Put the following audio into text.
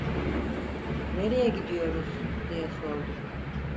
"Nereye gidiyoruz?" diye sordu.